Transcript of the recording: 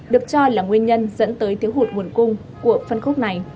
được cho là nguyên nhân dẫn tới thiếu hụt nguồn cung của phân khúc này